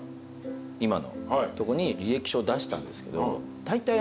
今のとこに履歴書を出したんですけどだいたい。